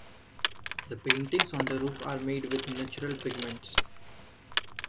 The paintings on the roof are made with natural pigments.